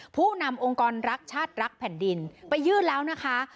ผู้นำองค์กรรักชาติรักแผ่นดินไปยื่นแล้วนะคะ